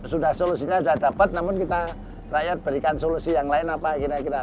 sudah solusinya sudah dapat namun kita rakyat berikan solusi yang lain apa kira kira